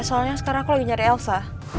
soalnya sekarang aku lagi nyari elsa